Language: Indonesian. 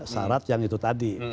syarat yang itu tadi